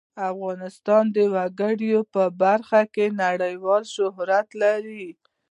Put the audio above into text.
افغانستان د وګړي په برخه کې نړیوال شهرت لري.